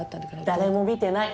誰も見てない。